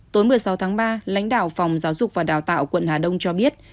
tối một mươi sáu tháng ba lãnh đạo phòng giáo dục và đào tạo quận hà đông cho biết